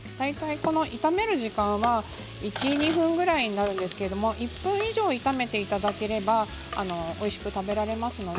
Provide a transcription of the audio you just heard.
炒める時間は１、２分ぐらいなんですが１分以上、炒めていただければおいしく食べられます。